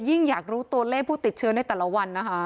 อยากรู้ตัวเลขผู้ติดเชื้อในแต่ละวันนะคะ